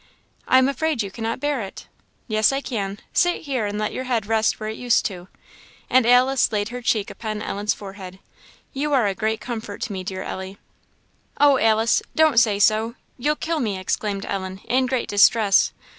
"I am afraid you cannot bear it." "Yes, I can. Sit here, and let your head rest where it used to;" and Alice laid her cheek upon Ellen's forehead; "you are a great comfort to me, dear Ellie." "Oh, Alice, don't say so you'll kill me!" exclaimed Ellen, in great distress.